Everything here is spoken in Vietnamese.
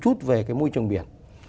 chút về môi trường biển